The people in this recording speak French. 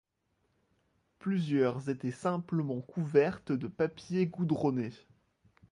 Plusieurs étaient simplement couvertes de papier goudronné.